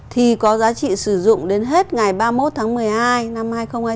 thì có giá trị sử dụng đến hết ngày ba mươi một tháng một mươi hai năm hai nghìn hai mươi bốn